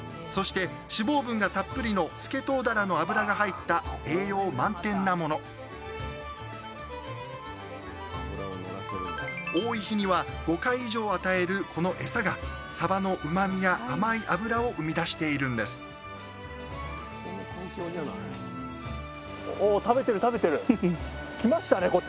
そして脂肪分がたっぷりのスケトウダラの脂が入った栄養満点なもの多い日には５回以上与えるこのエサがサバのうまみや甘い脂を生み出しているんです来ましたね